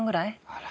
あら。